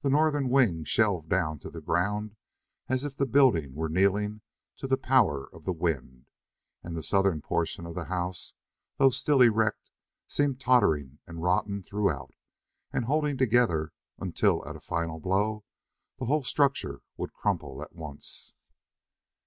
The northern wing shelved down to the ground as if the building were kneeling to the power of the wind, and the southern portion of the house, though still erect, seemed tottering and rotten throughout and holding together until at a final blow the whole structure would crumple at once.